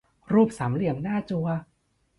รูปสามเหลี่ยมหน้าจั่ว